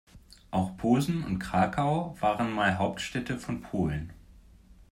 Auch Posen und Krakau waren mal Hauptstädte von Polen.